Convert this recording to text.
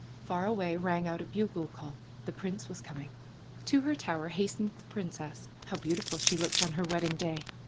Far away rang out a bugle call. The prince was coming. To her tower hastened the princess. How beautiful she looked on her wedding day!